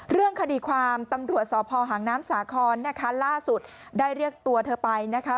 เรื่องคดีความตำรวจสพหางน้ำสาครนะคะล่าสุดได้เรียกตัวเธอไปนะคะ